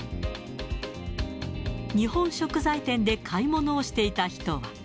日本食材店で買い物をしていた人は。